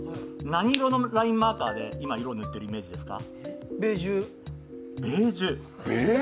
何色のラインマーカーで今色を塗ってるイメージですか？